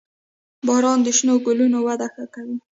• باران د شنو ګلونو وده ښه کوي.